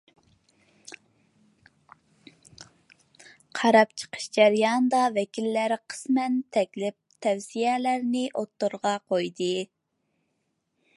قاراپ چىقىش جەريانىدا، ۋەكىللەر قىسمەن تەكلىپ، تەۋسىيەلەرنى ئوتتۇرىغا قويدى.